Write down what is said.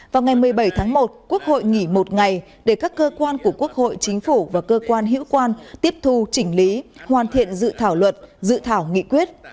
vào ngày một mươi bảy tháng một quốc hội nghỉ một ngày để các cơ quan của quốc hội chính phủ và cơ quan hữu quan tiếp thu chỉnh lý hoàn thiện dự thảo luật dự thảo nghị quyết